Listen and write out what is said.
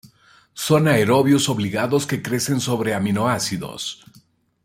Son aerobios obligados que crecen sobre aminoácidos.